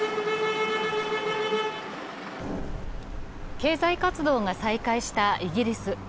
経済活動が再開したイギリス。